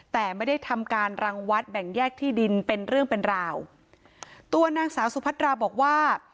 แต่ไม่ได้ทำการรังวัดแบ่งแยกที่ดินเป็นเรื่องเป็นราวตัวนางสาวสุพัตราบอกว่า